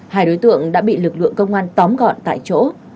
hai đối tượng đã bị lực lượng công an tóm gọn tại chỗ